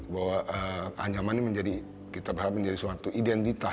bahwa anyaman ini menjadi kita berharap menjadi suatu identitas